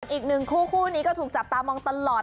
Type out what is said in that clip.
อีกหนึ่งคู่คู่นี้ก็ถูกจับตามองตลอด